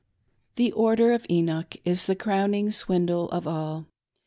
The "Order of Enoch'' is the crowning swindle of all.